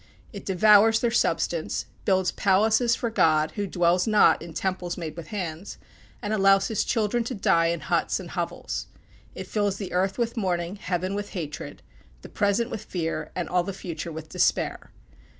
It devours their substance, builds palaces for God, (who dwells not in temples made with hands), and allows his children to die in huts and hovels. It fills the earth with mourning, heaven with hatred, the present with fear, and all the future with despair.